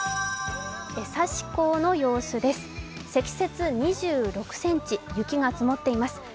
江差港の様子です、積雪２６ｃｍ、雪が積もっています。